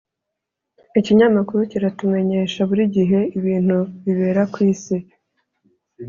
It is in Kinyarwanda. Ikinyamakuru kiratumenyesha buri gihe ibintu bibera kwisi